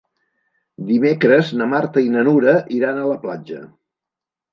Dimecres na Marta i na Nura iran a la platja.